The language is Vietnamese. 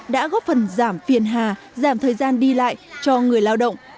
đã góp phần giảm phiền hà giảm thời gian đi lại cho người lao động